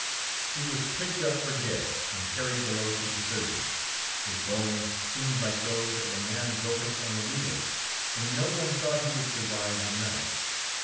He was picked up for dead, and carried below to the surgeon. His bones seemed like those of a man broken on the wheel, and no one thought he would survive the night.